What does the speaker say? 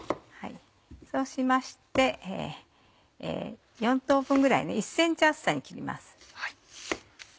そうしまして４等分ぐらい１ｃｍ厚さに切ります。